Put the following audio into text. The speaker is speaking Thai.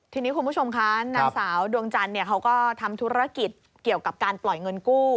ทีนี้คุณผู้ชมคะนางสาวดวงจันทร์เขาก็ทำธุรกิจเกี่ยวกับการปล่อยเงินกู้